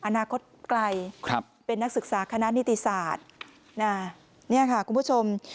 อนาคตไกลเป็นนักศึกษาคณะนิติศาสตร์เนี่ยค่ะคุณผู้ชม